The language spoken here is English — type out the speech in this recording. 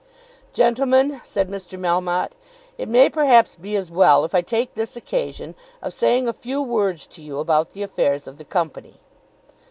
"Gentlemen," said Mr. Melmotte, "it may perhaps be as well if I take this occasion of saying a few words to you about the affairs of the company."